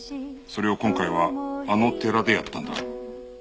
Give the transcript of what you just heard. それを今回はあの寺でやったんだ。